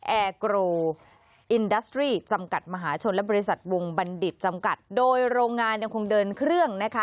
แอร์โกรอินดัสตรีจำกัดมหาชนและบริษัทวงบัณฑิตจำกัดโดยโรงงานยังคงเดินเครื่องนะคะ